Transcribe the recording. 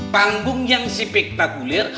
panggung yang spektakuler